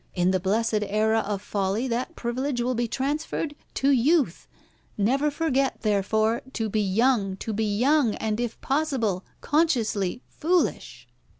In the blessed era of folly that privilege will be transferred to youth. Never forget, therefore, to be young, to be young, and, if possible, consciously foolish."